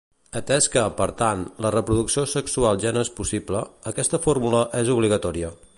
Atès que, per tant, la reproducció sexual ja no és possible, aquesta fórmula és obligatòria.